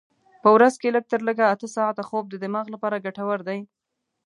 په ورځ کې لږ تر لږه اته ساعته خوب د دماغ لپاره ګټور دی.